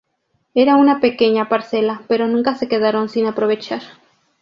Era una pequeña parcela pero nunca se quedaron sin aprovechar.